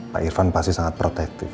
pak irfan pasti sangat protektif